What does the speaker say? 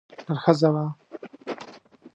نره ښځه وه.